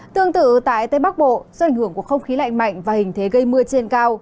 tương tự tại tây bắc bộ do ảnh hưởng của không khí lạnh mạnh và hình thế gây mưa trên cao